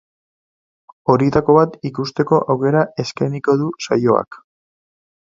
Horietako bat ikusteko aukera eskainiko du saioak.